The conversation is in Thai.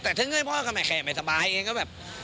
แต่ถึงให้พ่อแขกไม่สบายเองก็แบบ